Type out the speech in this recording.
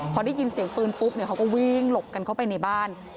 พอได้ยินเสียงปืนปุ๊บเขาก็วิ่งหลบกันเข้าไปในบ้าน